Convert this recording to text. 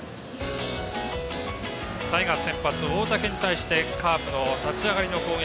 タイガース先発、大竹に対してカープの立ち上がりの攻撃。